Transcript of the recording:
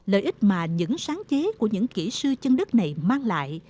lợi ích mà những sáng chế của những kỹ sư chân đất này mang lại